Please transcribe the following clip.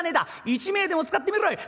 一枚でも使ってみろい。